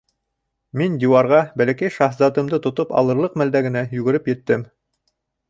Мин диуарға Бәләкәй шаһзатымды тотоп алырлыҡ мәлдә генә йүгереп еттем.